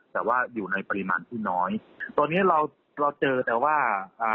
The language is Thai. แต่ว่าอยู่ในปริมาณที่น้อยตอนเนี้ยเราเราเจอแต่ว่าอ่า